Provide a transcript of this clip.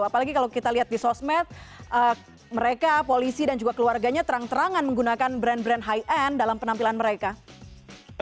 apalagi kalau kita lihat di sosmed mereka polisi dan juga keluarganya terang terangan menggunakan brand brand high end dalam penampilan mereka